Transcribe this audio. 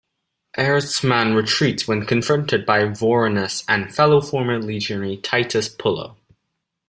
Erastes' man retreats when confronted by Vorenus and fellow former legionary Titus Pullo.